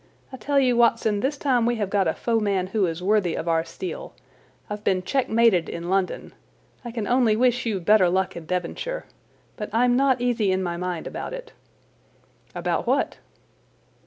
I tell you, Watson, this time we have got a foeman who is worthy of our steel. I've been checkmated in London. I can only wish you better luck in Devonshire. But I'm not easy in my mind about it." "About what?"